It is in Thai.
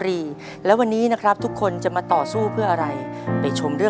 ในแคมเปญพิเศษเกมต่อชีวิตโรงเรียนของหนู